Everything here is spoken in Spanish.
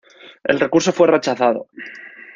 El recurso fue rechazado.